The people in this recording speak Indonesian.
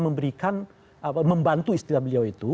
memberikan membantu istilah beliau itu